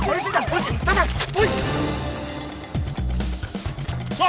paling canggih dari alian william investors